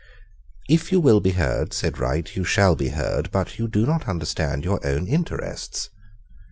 "If you will be heard," said Wright, "you shall be heard; but you do not understand your own interests."